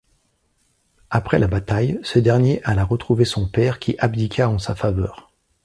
Après la bataille, ce dernier alla retrouver son père qui abdiqua en sa faveur.